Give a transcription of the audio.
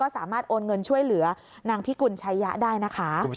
สามารถโอนเงินช่วยเหลือนางพิกุลชายะได้นะคะ